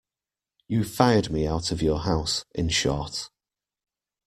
You fired me out of your house, in short.